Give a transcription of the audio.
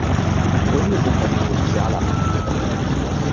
Die Gründe sind häufig sozialer Natur.